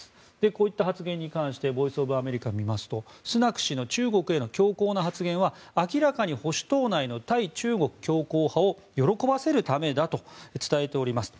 こういった発言に関してボイス・オブ・アメリカを見ますとスナク氏の中国への強硬な発言は明らかに保守党内の対中国強硬派を喜ばせるためだと伝えています。